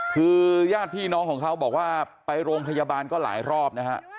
คือญาติพี่น้องของเขาบอกว่าไปโรงพยาบาลก็หลายรอบนะฮะ